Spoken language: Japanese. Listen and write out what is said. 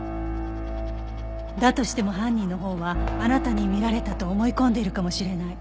だとしても犯人のほうはあなたに見られたと思い込んでいるかもしれない。